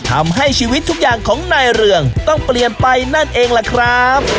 ทำให้ชีวิตทุกอย่างของนายเรืองต้องเปลี่ยนไปนั่นเองล่ะครับ